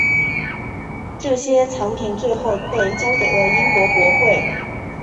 这些藏品最后被交给了英国国会。